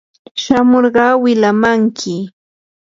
shamurqa wilamanki.